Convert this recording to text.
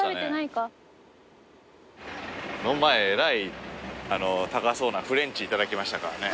この前えらい高そうなフレンチいただきましたからね。